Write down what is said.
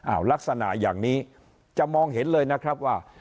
ลักษณะอย่างนี้จะมองเห็นเลยนะครับว่า